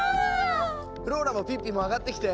フローラもピッピも上がってきて。